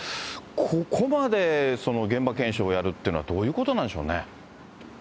ここまで現場検証をやるというのは、どういうことなんでしょうね。